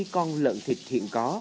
hai mươi con lợn thịt hiện có